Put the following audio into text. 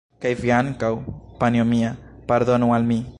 Kaj vi ankaŭ, panjo mia, pardonu al mi!